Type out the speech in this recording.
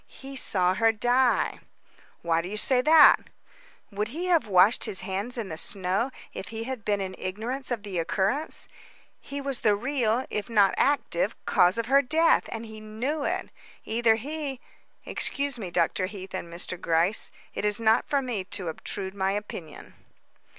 "He saw her die." "Why do you say that?" "Would he have washed his hands in the snow if he had been in ignorance of the occurrence? He was the real, if not active, cause of her death and he knew it. Either he Excuse me, Dr. Heath and Mr. Gryce, it is not for me to obtrude my opinion."